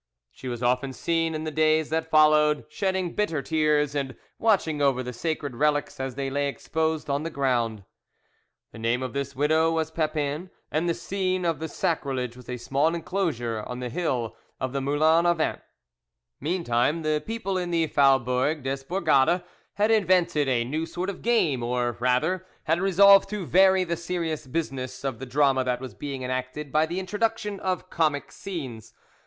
She was often seen in the days that followed shedding bitter tears and watching over the sacred relics as they lay exposed on the ground. The name of this widow was Pepin, and the scene of the sacrilege was a small enclosure on the hill of the Moulins a Vent. Meantime the people in the Faubourg des Bourgades had invented a new sort of game, or rather, had resolved to vary the serious business of the drama that was being enacted by the introduction of comic scenes.